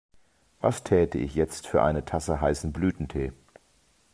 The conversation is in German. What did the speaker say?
Was täte ich jetzt für eine Tasse heißen Blütentee!